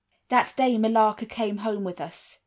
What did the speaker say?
"That day Millarca came home with us.